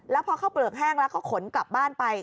แล้วพอข้าวเปลือกแห้งแล้วก็ขนกลับบ้านไป